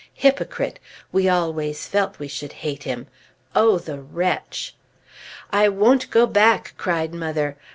Hypocrite! we always felt we should hate him! Oh, the wretch! "I won't go back!" cried mother.